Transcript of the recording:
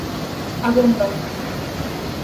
¡Abonda!